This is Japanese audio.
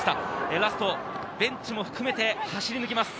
ラスト、ベンチも含めて走り抜きます。